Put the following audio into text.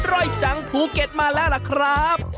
่อยจังภูเก็ตมาแล้วล่ะครับ